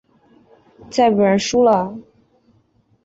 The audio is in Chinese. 再不然输了？